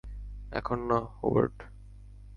এখন না, হুবার্ট।